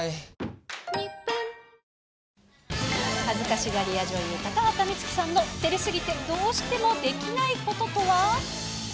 恥ずかしがり屋女優、高畑充希さんの、てれすぎてどうしてもできないこととは？